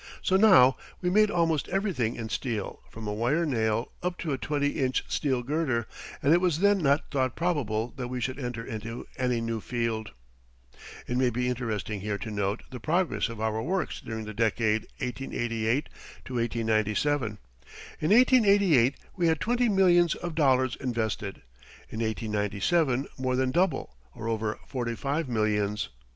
So now we made almost everything in steel from a wire nail up to a twenty inch steel girder, and it was then not thought probable that we should enter into any new field. It may be interesting here to note the progress of our works during the decade 1888 to 1897. In 1888 we had twenty millions of dollars invested; in 1897 more than double or over forty five millions.